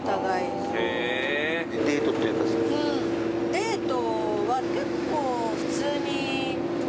デートは結構普通に。